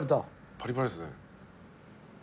パリパリですね。